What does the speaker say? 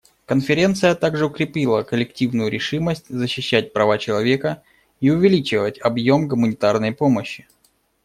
Конференция также укрепила коллективную решимость защищать права человека и увеличивать объем гуманитарной помощи.